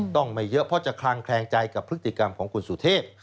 ไม่เยอะเพราะจะคลางแคลงใจกับพฤติกรรมของคุณสุเทพ